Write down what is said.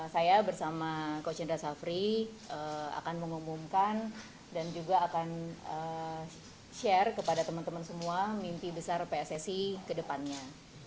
saya bersama coach indra safri akan mengumumkan dan juga akan share kepada teman teman semua mimpi besar pssi kedepannya